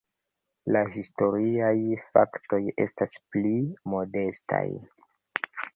La historiaj faktoj estas pli modestaj.